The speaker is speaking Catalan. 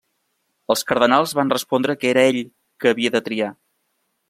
Els cardenals van respondre que era ell que havia de triar.